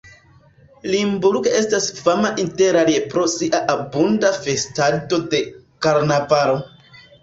Limburg estas fama interalie pro sia abunda festado de karnavalo.